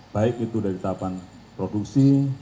baik itu dari tahapan produksi